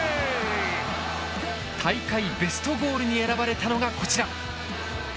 大会ベストゴールに選ばれたのがこちら。